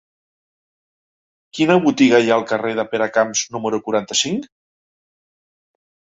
Quina botiga hi ha al carrer de Peracamps número quaranta-cinc?